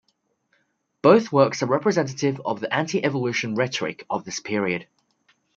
Both works are representative of the anti-evolution rhetoric of this period.